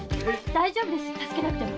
大丈夫です助けなくても。